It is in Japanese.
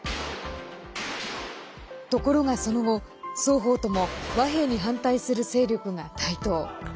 ところがその後、双方とも和平に反対する勢力が台頭。